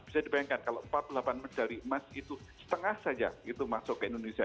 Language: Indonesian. bisa dibayangkan kalau empat puluh delapan medali emas itu setengah saja itu masuk ke indonesia